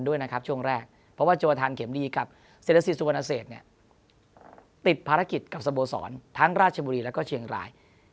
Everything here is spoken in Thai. ด้วยนะครับช่วงแรกเพราะว่าโจทานเข็มดีกับเศรษฐศิษย์สุวรรณเศษเนี่ยติดภารกิจกับสโมสรทั้งราชบุรีแล้วก็เชียงราย